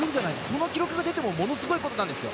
その記録が出てもものすごいことですよ。